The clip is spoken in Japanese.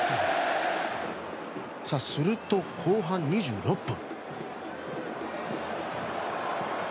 すると後半２６分。